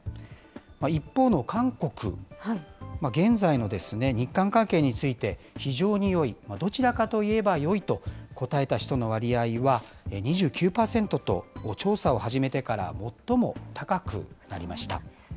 一方の韓国、現在の日韓関係について、非常によい、どちらかといえばよいと答えた人の割合は２９％と、調査を始めてから最も高くなりました。